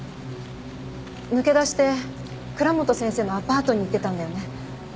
抜け出して倉本先生のアパートに行ってたんだよね？